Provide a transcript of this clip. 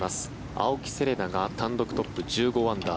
青木瀬令奈が単独トップ１５アンダー